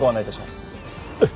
はい。